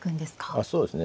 あっそうですね。